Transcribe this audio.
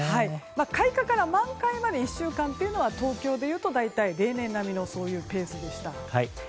開花から満開まで１週間というのは東京でいうと大体、例年並みのペースでした。